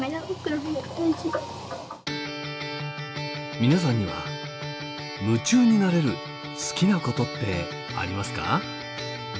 皆さんには夢中になれる好きなことってありますか？